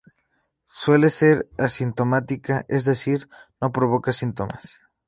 Suele ser asintomática, es decir no provoca síntomas.